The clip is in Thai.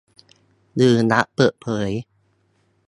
หรือรัฐเปิดเผย